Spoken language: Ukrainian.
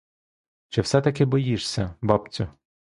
Чи все-таки боїшся, бабцю?